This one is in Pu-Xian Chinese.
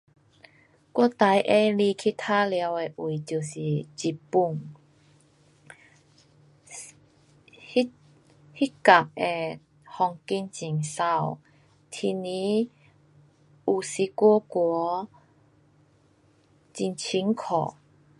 我最喜欢去玩耍的位就是日本，那，那角的风景很美。天气有时冷冷，很清新。